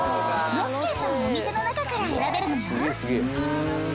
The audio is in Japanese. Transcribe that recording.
６軒のお店の中から選べるのよ。